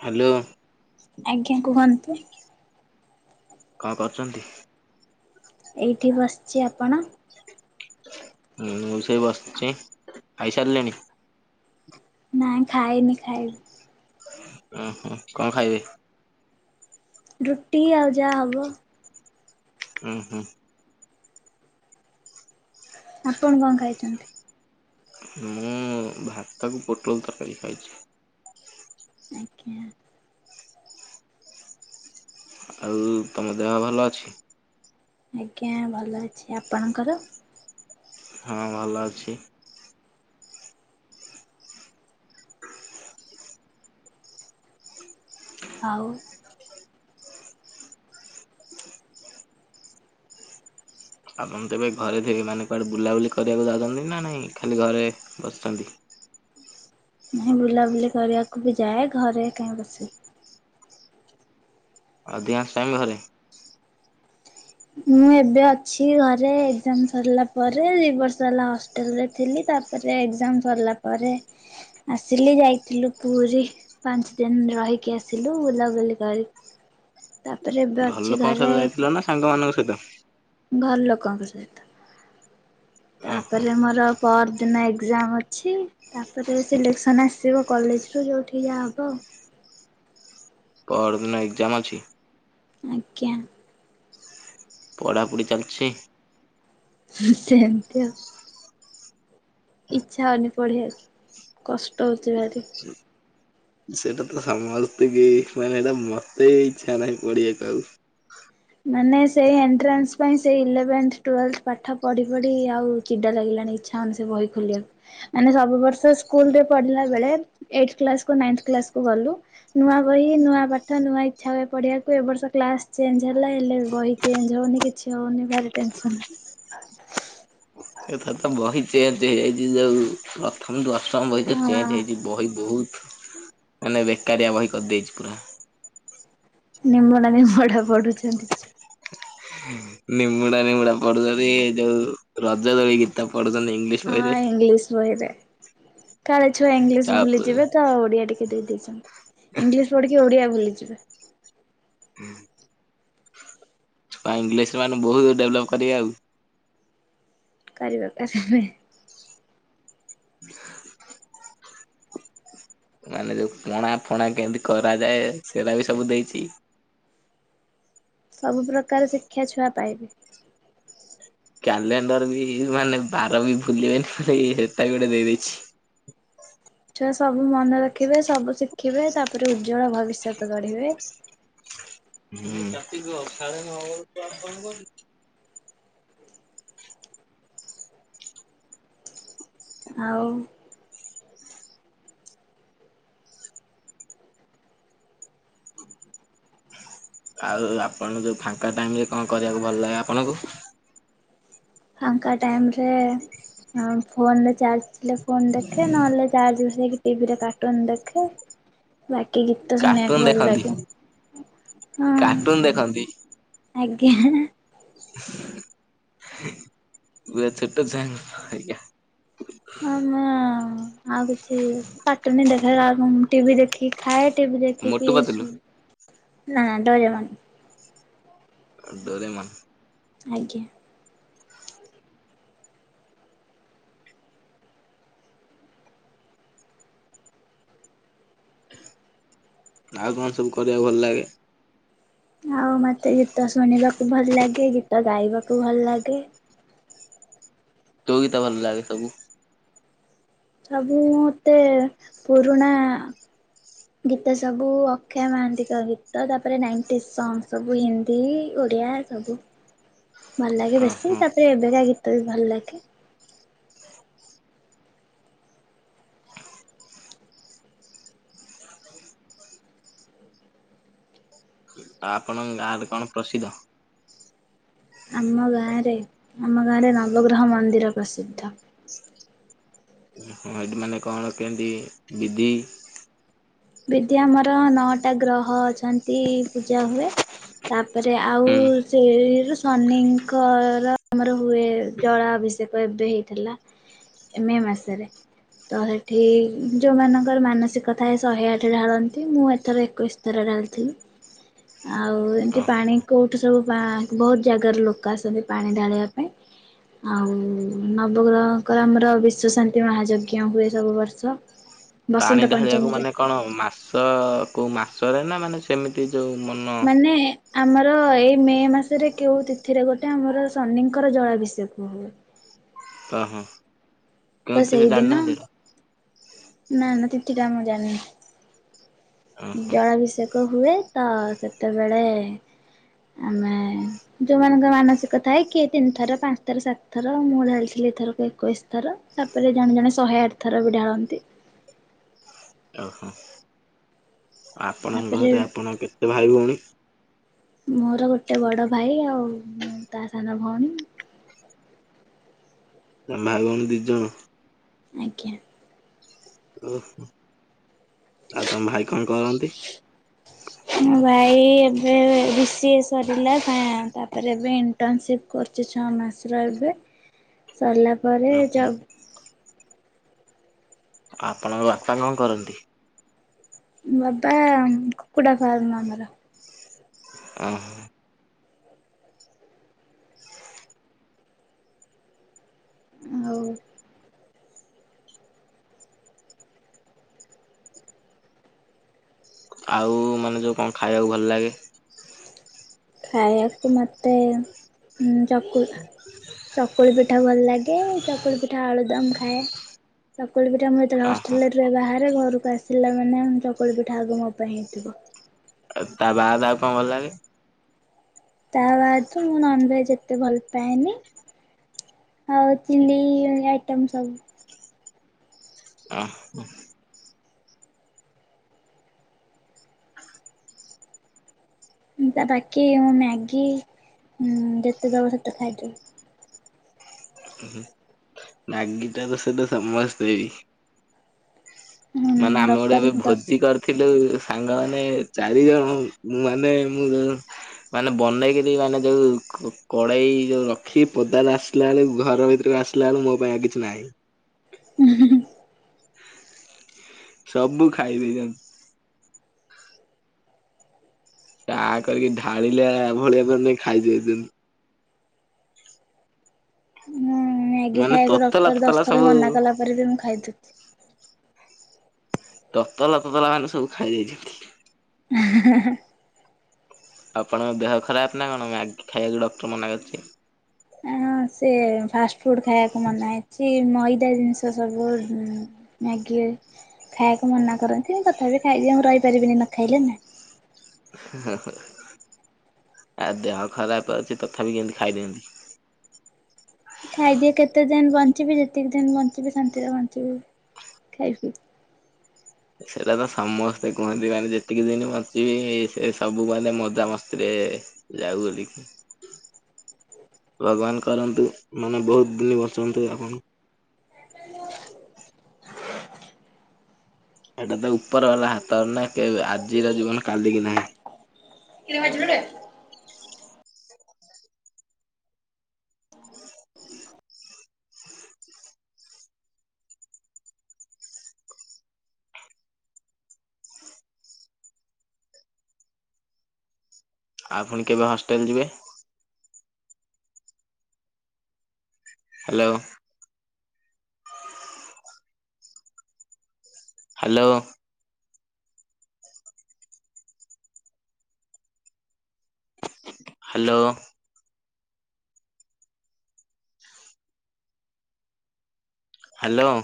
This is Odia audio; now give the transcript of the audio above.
ହ୍ୟାଲୋ। ଆଜ୍ଞା କୁହନ୍ତୁ। କଣ କରୁଛନ୍ତି? ଏଇଠି ବସିଛି ଆପଣ? ମୁଁ ଷେଇ ବସିଛି ଖାଇ ସାରିଲେଣି। ନାଇଁ ଖାଇନି ଖାଇବି। ଓ ହୋ କଣ ଖାଇବେ? ରୁଟି ଆଉ ଯା ହବ। ହୁଁ ହୁଁ। ଆପଣ କଣ ଖାଇଛନ୍ତି? ମୁଁ ଭାତ କୁ ପୋଟଲ ତରକାରୀ ଖାଇଛି। ଆଜ୍ଞା। ଆଉ ତମ ଦେହ ଭଲ ଅଛି? ଆଜ୍ଞା ଭଲ ଅଛି ଆପଣଙ୍କର? ହଁ ଭଲ ଅଛି। ଆଉ। ଆପଣ ତ ଏବେ ଘରେ ଥିବେ ମାନେ କୁଆଡେ ବୁଲାବୁଲି କରିବାକୁ ଯାଉଛନ୍ତି ନା ନାଇଁ ଖାଲି ଘରେ ବସିଛନ୍ତି। ନାଇଁ ବୁଲାବୁଲି କରିବାକୁ ବି ଯାଏ ଘରେ କାହିଁ ବସିବି। ଅଧିକାଁଶ ଟାଇମ ଘରେ? ମୁଁ ଏବେ ଅଛି ଘରେ ଏଗଜାମ୍ ସରିଲା ପରେ ଦି ବର୍ଷ ହେଲା ହଷ୍ଟେଲ ରେ ଥିଲି। ତାପରେ ଏକ୍ଜାମ୍ ସରିଲା ପରେ ଆସିଲି ଯାଇଥିଲୁ ପୁରୀ ପାଞ୍ଚ ଦିନ। ରହିକି ଆସିଲୁ ବୁଲାବୁଲି କରିି ଘର ଲୋକଙ୍କ ସହିତ ଯାଇଥିଲ ନା ସାଙ୍ଗମାନାନଙ୍କ ସହିତ? ଘର ଲୋକଙ୍କ ସହିତ। ଓହୋ ତାପରେ ମୋର ପରଦିନ ଏକ୍ଜାମ୍ ଅଛି ତାପରେ ସିଲେକ୍ସନ୍ ଆସିବ କଲେଜରୁୁ ଯେଉଁଠି ଯାହା ହେବ। ପରଦିନ ଏକ୍ଜାମ୍ ଅଛି? ଆଜ୍ଞା। ପଢ଼ାପଢି ଚାଲିଛି। ସେନ ତି ଆଉ। ଇଚ୍ଛା ହଉନି ପଢ଼ିବାକୁ, କଷ୍ଟ ହେଉଛି ଭାରି। ସେଟା ତ ସମସ୍ତ କି ମାନେ ଏଇଟା ମତେ ଇଚ୍ଛା ନାହିଁ ପଡିିବାକୁ ଆଉ। ମାନେ ସେଇ ଏଣ୍ଟ୍ରେନ୍ସ୍ ସେଥି ପାଇଁ ସେ ଇଲେଭେନ୍ଥ, ଟ୍ୱେଲ୍ଫ୍ଥ ପାଠ ପଢି ପଢି ଆଉ ଚିଡ଼ା ଲାଗିଲାଣି, ଇଚ୍ଛା ହଉନି ସେ ବହି ଖୋଲିବାକୁ। ମାନେ ସବୁ ବର୍ଷ ସ୍କୁଲ ରେ ପଢିଲା ବେଳେ ଏଇ୍କୁ କ୍ଲାସ ରୁ ନାଇ୍ ଥ କ୍ଲାସ ଗଲୁ ନୂଆ ବହି ନୂଆ ପାଠ ନୂଆ ଇଚଛା ହୁଏ ପଢିବାକୁ ଏ ବର୍ଷ କ୍ଲାସ ଚେଞ୍ ଲା ହେଲେ ବହି ଚେଞ୍ଜ ହଉନି କିଛି ହଉନି ଭାରି ଟେନ୍ସନ। ଏଥର ତ ବହି ଚେଞଜ ହେଇଯାଇଛି ଯୋଉ ପ୍ରଥମ ଦୁ ସମ୍ ବହିତ ଚେଞ୍ଜ ହଁ। ହେଇଛି ବହି ବହୁତ ମାନେ ବେକାରିଆ ବହି କରିଦେଇଛି ପୁରା। ନିମ ନା ନି ମୋଡା ପଡୁଚନ୍ତି। ନିମୁଡା ନିମୁଡା ପଡୁଛନ୍ତି ଏ ଯୋଉ ରଜ ଦୋଳି ଗୀତ। ପଢୁଛନ୍ତି ଇଂଲିଶ ବହିରେ ହଁ ଇଂଲିଶ ବହିରେ। କାଳେ ଛୁଆ ଇଂଲିଶ ତାପରେ ଭୁଲିଯିବେ ତ ଓଡିଆ ଟିକେ ଦେଇ ଦେଇେଇଛନ୍ତି ଇଂଲିଶ ପଢିକି ଓଡିଆ ଭୁଲି ଯିବେ। ହୁଁ। ଛୁଆ ଇଂଲିଶ ମାନେ ବହୁତ ଡେଭଲପ୍ କରିବେ ଆଉ। କରିବେ ହେଁ ହେଁ। ହଁ [inaudible] ମାନେ ଯୋଉ ପଣା ଫଣା କେମିତି କରାଯାଏ ସେଟା ବି ସବୁ ଦେଇଛି। ସବୁ ପ୍ରକାର ଶିକ୍ଷା ଛୁଆ ପାଇବେ। କ୍ୟାଲେଣ୍ଡର ବି ମାନେ ବାର ବି ଭୁଲିବେନି ବଲି ହେଟା ବି ଗୋଟେ ଦେଇଦେଇଛି। [unintelligible] ଛୁଆ ସବୁ ମନେ ରଖିବେ ସବୁ ଶିଖିବେ ତାପରେ ଉଜ୍ଜଳ ଭବିଷ୍ୟତ ଗଢ଼ିବେ। ହଁ ରାତି କ ସାଢ଼େ ନଅ ହବ କ୍ଲାସ୍ ବନ୍ଦ କରି ନୁ ଆଉ ଆଉ ଆପଣ ଯୋଉ ଫାଙ୍କା ଟାଇମ ରେ କଣ କରିବାକୁ ଭଲ ଲାଗେ ଆପଣଙ୍କୁ ଫାଙ୍କା ଟାଇମରେ ଫୋନରେ ଚାର୍ଜ ଥିଲେ ଫୋନ ଦେଖେ ନହେଲେ। ଚାର୍ଜ ବସେଇକି ଟିଭିରେ କାର୍ଟୁନ୍ ଦେଖେ ବାକି କି ଗୀତ ତ କାର୍ଟୁନ ଶୁଣିବାକୁ ଭଲ ଦେଖନ୍ତି। ଲାଗେ ହଁ କାର୍ଟୁନ ଦେଖନ୍ତି। ଆଜ୍ଞା। ପୁରା ଛୋଟୋ ଛୁଆଙ୍କ ପରିକା। ଆମେ ଆଉ ଆଉ କିଛି କାର୍ଟୁନ ଦେଖାଲା ବେଳକୁ ମୁ ଟିଭି ଦେଖି ଖାଏ ଟିଭି ଦେଖି ମୋଟୁ କି ପତଲୁ ଶୁଇ ନା ଡରେମନ୍। ଡୋରେମନ୍। ଆଜ୍ଞା। ଆଉ କଣ ସବୁ କରିବାକୁ ଭଲ ଲାଗେ। ଆଉ ମତେ ଗୀତ ଶୁଣିବାକୁ ଭଲ ଲାଗେ ଗୀତ ଗାଇବାକୁ ଭଲ ଲାଗେ। କୋଉ ଗୀତ ଭଲ ଲାଗେ ତମକୁ। ସବୁ ମତେ ପୁରୁଣା ଆ। ଗୀତ ସବୁ ଅକ୍ଷୟ ମହାନ୍ତିଙ୍କ ଗୀତ ତାପରେ ନାଇଣ୍ଟି ସଙ୍ଗ୍ ସବୁ ହିନ୍ଦୀ ଏ ବଢ଼ିଆ ସବୁ। ଭଲ ଲାଗେ ହଁ ବେଶୀ ହଁ ତାପରେ ଏବେକା ଗୀତ ବି ଭଲ ଲାଗେ। ଆ ଆପଣଙ୍କ ଗାଁରେ କଣ ପ୍ରସିଦ୍ଧ। ଆମ ଗାଁରେ ଆମ ଗାଁରେ ନବଗ୍ରହ ମନ୍ଦିର ପ୍ରସିଦ୍ଧ। ହଁ ଏଠି ମାନେ କଣ କେମତି ବିଧି। ବିଧି ଆମର ନଅଟା ଗ୍ରହ ଅଛନ୍ତି ପୂଜା ହୁଏ ତାପରେ ଆଉ। ହୁଁ ଆଉ ସେଇରୁ ଶନିଙ୍କର ଆମର ହୁଏ ଜଳା ଅଭିଷେକ ଏବେ ହେଇଥିଲା। ମେ ମାସରେ ତ ହେଠି ଯୋଉମାନାନଙ୍କର ମାନସିକ ଥାଏ। ଶହେ ଆଠ ଢାଳନ୍ତି ମୁଁ ଏଥର ଏକୋଇଶ ଥର ଢାଳିଥିଲି। ଆଉ ଅ ଏମିତି ପାଣି କୋଉଠି ସବୁ ବା ବହୁତ ଜାଗାରୁ ଲୋକ ଆସନ୍ତି ପାଣି ଢାଳିବା ପାଇଁ। ଆଉ ନବଗ୍ରହଙ୍କର ଆମର ବିଶ୍ଵ ଶାନ୍ତି ମହାଯଜ୍ଞ ହୁଏ ସବୁ ବର୍ଷ। ପାଣି ବସନ୍ତ ଢାଳିବାକୁ ପଞ୍ଚମୀରେ। ମାନେ କଣ ମାସ କୋଉ ମାସରେ ନା ମାନେ ସେମିତି ଯୋଉ ମନ? ମାନେ ଆମର ଏଇ ମେ ମାସରେ କେଉ ତିଥିରେ ଗୋଟେ ଆମର ଶନିଙ୍କର ଜଳାଭିଷେକ ହୁଏ। ଓ ହୋ ତ କେଉଁଥିରେ ସେଇଦିନ ଜାଣିନାହାନ୍ତି ତ? ନା ନା ତିଥି ଟା ଆ ମୁଁ ଜାଣିନି ଓହୋ ଜଳାଭିଷେକ। ହୁଏ ତ ସେତେବେଳେ ଆମେ ଯୋଉମାନଙ୍କ ମାନସିକ ଥାଏ କିଏ ତିନି ଥର ପାଞ୍ଚ ଥର ସାତ ଥର ମୁଁ ଢାଲିଥିଲି ଏ ଥର କ ଏକୋଇଶ ଥର ତାପରେ ଜଣେ ଜଣେ ଶହେ ଆଠ ଥର ବି ଢାଳନ୍ତି। ଓହୋ ଆପଣଙ୍କ ତାପରେ ଘରେ ଆପଣ କେତେ ଭାଇ ଭଉଣୀ? ମୋର ଗୋଟେ ବଡ ଭାଇ ଆଉ ମୁଁ ତା ସାନ ଭଉଣୀ। [inaudible] ଭାଇ ଭଉଣୀ ଦି ଜଣ? ଆଜ୍ଞା। ହୁଁ ଆଉ ତମ ଭାଇ କଣ କରନ୍ତି? ଏ ଏବେ ବି ସି ଏ ସରିଲା ତାପରେ ଏବେ ଇଣ୍ଟର୍ନସିପ୍ କରୁଛି ଛଅ ମାସ। ରହିବେ। [inaudible] ସରିଲା ପରେ ଓହୋ ଜବ। ଆପଣଙ୍କ ବାପା କଣ କରନ୍ତି? ବାବା କୁକୁଡ଼ା ଫାର୍ମ ଆମର। ଓହୋ। [inaudible] ଆଉ ଆଉ ମାନେ ଯୋଉ କଣ ଖାଇବାକୁ ଭଲ ଲାଗେ? ଖାଇବାକୁ ମତେ ହୁଁ। ଚକୁଳି ଚକୁଳିପିଠା ଭଲ ଲାଗେ ଚକୁଳିପିଠା, ଆଳୁଦମ୍ [unintelligible] ଚକୁଳି ପିଠା ଆମେ ଯେତେ ଓହୋ ବେଳେ ହଷ୍ଟେଲ କୁ ଆସିଲା ମାନେ ଚକୁଳି ପିଠା ଆଗ ମୋ ପାଇଁ ହେଇଥିବ। ଆଉ ତା ବାଦ ଆଉ କଣ ଭଲ ଲାଗେ? ତା ବାଦ ମୁଁ ନନଭେଜ ଏତେ ଭଲ ପାଏନି। ଆଉ ଚିଲି ଆଇଟମ୍ ସବୁ ଅ ହ। ତା ବାକି ମ୍ୟାଗି ଯେତେ ଦବ ସେତେ ଖାଇଦେବି। ମ୍ୟାଗିଟା ତ ସେଇଟା ସମସ୍ତେ ବି। ହୁଁ ମାନେ ଆମେ ଗୋଟେ ଡକ୍ଟର ଏବେ ଦଶ ଭୋଜି କରିଥିଲୁ। ସାଙ୍ଗ ମାନେ ଚାରି ଜଣ ମୁଁ ମାନେ ମୁଁ ମାନେ ବନେଇକରି ମାନେ ଯୋଉ କଡେଇ ଯୋଉ ରଖି ପଦାର ଆସିଲା ବେଳ ଘର ଭିତରେ ଆସିଲାଳୁ ମୋ ପାଇଁ ଆଉ କିଛି ନାହିଁ। ହୁଁ। ସବୁ ଖାଇଦେଇଛନ୍ତି। ତା କରିକି ଢାଳିଲେ ଏଭଳି ଏଳି ଖାଇଛି ଏ [unintelligible] ମୁଁ ମ୍ୟାଗି ମାନେ ଖାଇଆକୁ ତତଲା ଡକ୍ଟର ତତଲା ଦଶଥର ସବୁ ମନା କଲା ପରେ ବି ମୁଁ ଖାଇଦଉଛିି। ତତଲା ତତଲା ମାନେ ସବୁ ଖାଇଯାଇଛନ୍ତି। ହେ ହେଁ। ଆପଣଙ୍କ ଦେହ ଖରାପ ନା କଣ ମ୍ୟାଗି ଖାଇଆକୁ ଡକ୍ଟର ମନା କରିଛି। ହଁ ସେ ଫାଷ୍ଟଫୁଡ ଖାଇବାକୁ ମନାଇଛି ମଇଦା ଜିନିଷ ସବୁ। ଖାଇବାକୁ ମନା କରନ୍ତି ମୁଁ ତଥାପି ଖାଇଦିଏ ମୁଁ ରହିପାରିବିନି ନ ଖାଇଲେ ନା। ହ ହ ଆ ଦେହ ଖରାପ ଅଛି ତଥାପି କେମିତି ଖାଇଦିଅନ୍ତି? ଖାଇଦିଏ କେତେ ଦିନ ବଞ୍ଚିବି ଯେତିକି ଦିନ ବଞ୍ଚିବି ଶାନ୍ତିରେ ବଞ୍ଚିବି। ଖାଇବି। ସେଟା ତ ସମସ୍ତେ କୁହନ୍ତି ମାନେ ଯେତିକି ଦିନ୍ ବଞ୍ଚିବି ସେ ସବୁ ମାନେ ମଜା ମସ୍ତିରେ ଏ ଯାଉହେରି। ଭଗବାନ କରନ୍ତୁ ମାନେ ବହୁତ୍ ଦିନ ବଞ୍ଚନ୍ତୁ ଆପଣ। [unintelligible] ସେଟା ତ ଉପର ବାଲାର ହାତରେ ନା କେବେ ଆଜିର ଜୀବନ କାଲି କି ନାହିଁ‌। [unintelligible] ଆପଣ କେବେ ହଷ୍ଟେଲ୍ ଯିବେ? ହ୍ୟାଲୋ। ହ୍ୟାଲୋ। ହ୍ୟାଲୋ। ହ୍ୟାଲୋ।